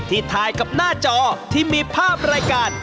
ถ่ายกับหน้าจอที่มีภาพรายการ